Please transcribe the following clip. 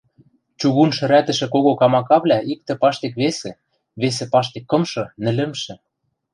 чугун шӹрӓтӹшӹ кого камакавлӓ иктӹ паштек весы, весы паштек кымшы, нӹлӹмшӹ